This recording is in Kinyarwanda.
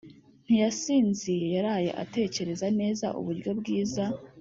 ntiyasinziye yaraye atekereza neza uburyo bwiza